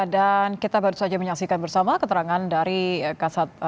berita terkini dari polres metro jakarta barat